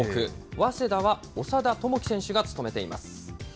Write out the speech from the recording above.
早稲田は長田智希選手が務めています。